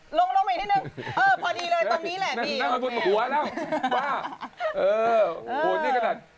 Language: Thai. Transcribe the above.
โหพอดีเลยตรงนี้แล้ว